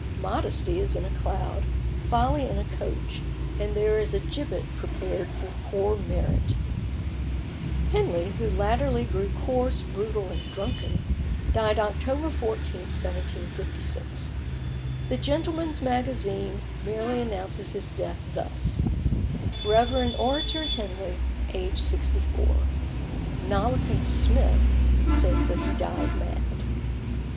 Modesty is in a cloud, Folly in a coach, and there is a gibbet prepared for poor Merit. Henley, who latterly grew coarse, brutal, and drunken, died October 14, 1756. The Gentleman's Magazine merely announces his death thus: "Rev. Orator Henley, aged 64." "Nollekens" Smith says that he died mad.